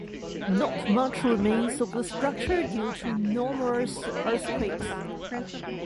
Not much remains of the structure due to numerous earthquakes.